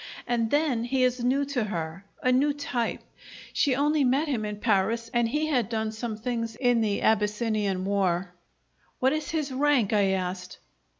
And then he is new to her a new type. She only met him in Paris, and he had done some things in the Abyssinian war " "What is his rank?" I asked.